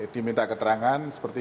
diminta keterangan seperti